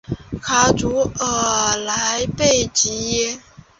卡祖尔莱贝济耶。